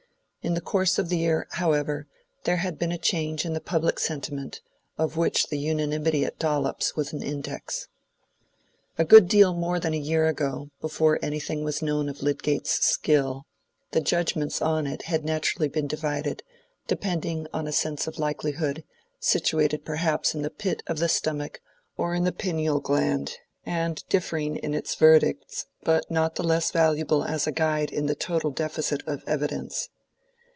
In the course of the year, however, there had been a change in the public sentiment, of which the unanimity at Dollop's was an index. A good deal more than a year ago, before anything was known of Lydgate's skill, the judgments on it had naturally been divided, depending on a sense of likelihood, situated perhaps in the pit of the stomach or in the pineal gland, and differing in its verdicts, but not the less valuable as a guide in the total deficit of evidence.